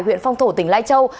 huyện phong thổ tỉnh lai châu